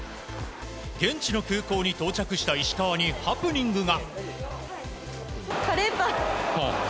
現地の空港に到着した石川にハプニングが。